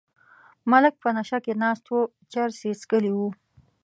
ملک په نشه کې ناست و چرس یې څکلي وو.